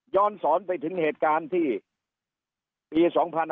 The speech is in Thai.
สอนไปถึงเหตุการณ์ที่ปี๒๕๕๙